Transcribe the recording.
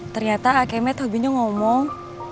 ternyata akemet hobinya ngomong